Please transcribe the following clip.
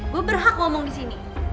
gue berhak ngomong disini